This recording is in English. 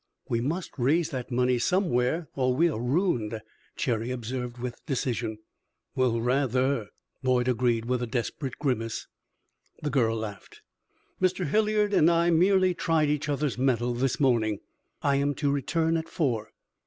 "We must raise that money somewhere or we are ruined," Cherry observed, with decision. "Well, rather!" Boyd agreed, with a desperate grimace. The girl laughed. "Mr. Hilliard and I merely tried each other's mettle this morning. I am to return at four."